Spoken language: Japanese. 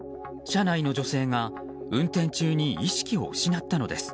車内の女性が運転中に意識を失ったのです。